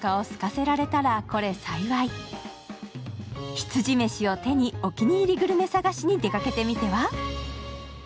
「ヒツジメシ」を手にお気に入りグルメ探しに出かけてみては。